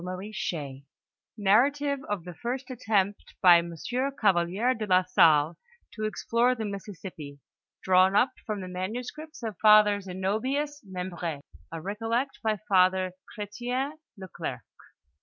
■1, ( NARRATIVE OF THE FIRST ATTEMPT BT Jf. CA YELIEB BE LA SALLE TO EXPLORE THE MISSISSIPPI. DRAWN UP FROM THE MANUSCRIPTS OF FATHER ZENOBIUS MEHBR^, A RECOLLECT BY FATHER CHRETIEN LECLERCQ.